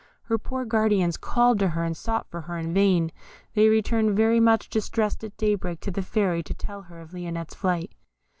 Her poor guardians called to her and sought for her in vain; they returned very much distressed at daybreak to the Fairy, to tell her of Lionette's flight.